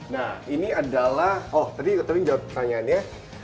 nah ini adalah oh tadi ketepin jawab pertanyaannya